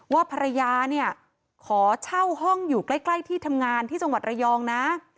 ว่าภรรยาเนี่ยขอเช่าห้องอยู่ใกล้ที่ทำงานที่จังหวัดระยองนะ